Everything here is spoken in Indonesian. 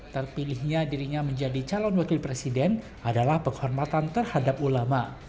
terpilihnya dirinya menjadi calon wakil presiden adalah penghormatan terhadap ulama